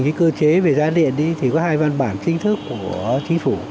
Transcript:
cái cơ chế về giá điện thì có hai văn bản chính thức của chính phủ